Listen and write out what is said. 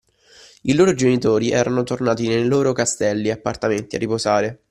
I loro genitori erano tornati nei loro castelli e appartamenti, a riposare